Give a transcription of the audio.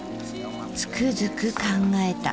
つくづく考えた。